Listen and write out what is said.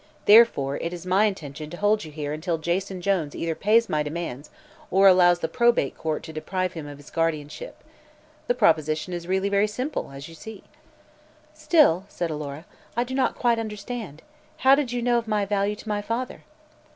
Therefore it is my intention to hold you here until Jason Jones either pays my demands or allows the probate court to deprive him of his guardianship. The proposition is really very simple, as you see." "Still," said Alora, "I do not quite understand. How did you know of my value to my father?"